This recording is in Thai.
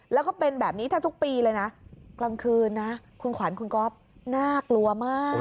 แล้วก็เป็นแบบนี้แทบทุกปีเลยนะกลางคืนนะคุณขวัญคุณก๊อฟน่ากลัวมาก